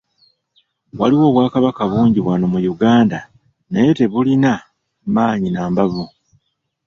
Waliwo Obwakabaka bungi wano mu Uganda naye tebulina maanyi na mbavu.